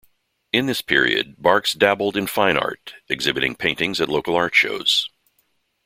In this period Barks dabbled in fine art, exhibiting paintings at local art shows.